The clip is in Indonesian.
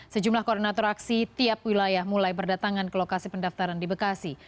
sejumlah koordinator aksi tiap wilayah mulai berdatangan ke lokasi pendaftaran di bekasi